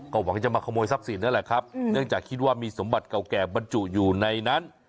ก็หวังจะมาขโมยทรัพย์สินนั่นแหละครับเนื่องจากคิดว่ามีสมบัติเก่าแก่บรรจุอยู่ในนั้น